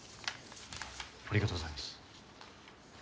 ありがとうございます。